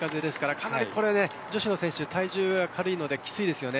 かなり女子の選手は体重が軽いのできついです。